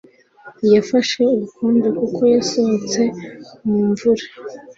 Yafashe ubukonje kuko yasohotse mu mvura.